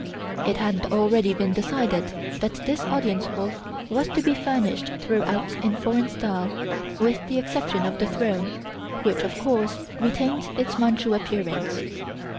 It had already been decided that this Audience Hall was to be furnished throughout in foreign style, with the exception of the throne, which, of course, retained its Manchu appearance.